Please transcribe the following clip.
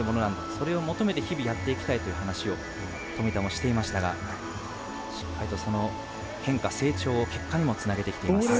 それを求めて日々やっていきたいという話を富田もしていましたがしっかりとその変化、成長を結果にもつなげてきています。